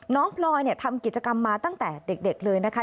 พลอยทำกิจกรรมมาตั้งแต่เด็กเลยนะคะ